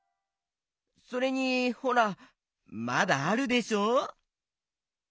それにほらまだあるでしょ。